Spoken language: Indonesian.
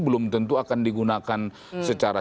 belum tentu akan digunakan secara